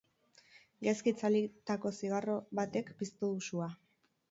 Gaizki itzalitako zigarro batek piztu du sua.